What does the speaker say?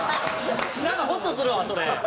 なんかほっとするわそれ。